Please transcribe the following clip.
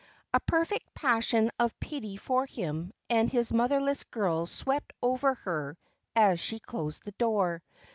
A perfect passion of pity for him and his motherless girls swept over her as she closed the door.